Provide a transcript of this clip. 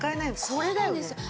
これだよね。